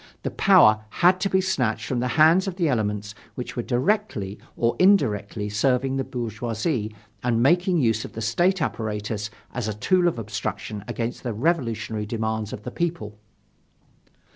The power had to be snatched from the hands of the elements which were directly or indirectly serving the bourgeoisie and making use of the state apparatus as a tool of obstruction against the revolutionary demands of the people.